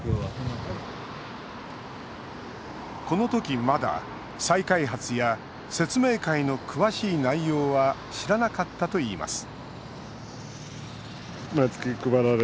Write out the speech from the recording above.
このとき、まだ再開発や説明会の詳しい内容は知らなかったといいます